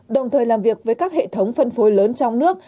đồng thời làm việc với các hệ thống phân phối lớn trong nước